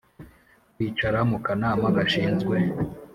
kwicara mu kanama gashinzwe